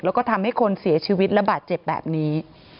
แล้วก็ทำให้คนเสียชีวิตระบาดเจ็บแบบนี้